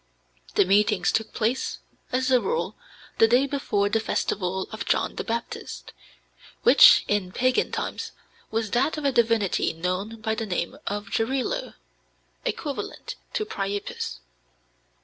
The meetings took place, as a rule, the day before the Festival of John the Baptist, which, in pagan times, was that of a divinity known by the name of Jarilo (equivalent to Priapus).